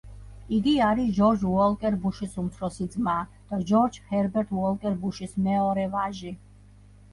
იგი არის ჯორჯ უოლკერ ბუშის უმცროსი ძმა და ჯორჯ ჰერბერტ უოლკერ ბუშის მეორე ვაჟი.